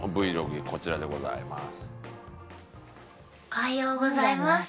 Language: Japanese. おはようございます。